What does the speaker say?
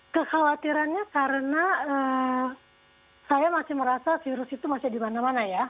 kekhawatirannya karena saya masih merasa virus itu masih di mana mana ya